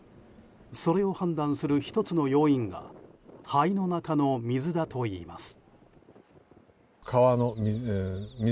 それを判断する１つの要因が肺の中の水だといいます。